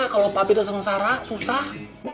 kalau papi tuh sengsara susah